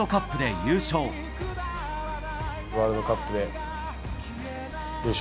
ワールドカップで優勝。